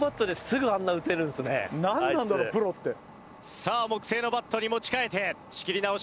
さあ木製のバットに持ち替えて仕切り直し。